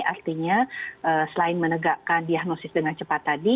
artinya selain menegakkan diagnosis dengan cepat tadi